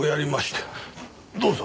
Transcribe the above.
どうぞ。